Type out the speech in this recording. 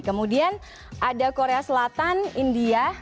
kemudian ada korea selatan india